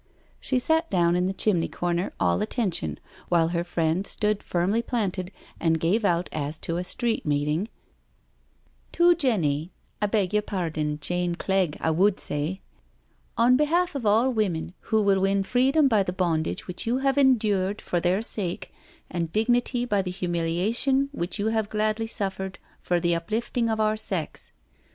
She sat down in the chimney comer all attention^ while her friend stood firmly planted, and gave out as to a street meeting: "To Jenny— I beg your pardon, • Jane Clegg ' I wud say —" On be'alf of all women who will win freedom by the bondage which you have endured for their sake, and dignity by the humiliation which you have gladly suffered for the uplifting of our sex.